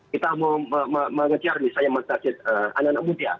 kita mau mengejar misalnya men target anak anak muda